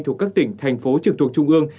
thuộc các tỉnh thành phố trực thuộc trung ương